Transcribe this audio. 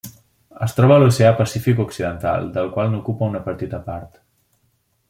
Es troba a l'Oceà Pacífic occidental, del qual n'ocupa una petita part.